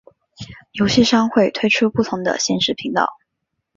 游戏商会推出不同的限时频道。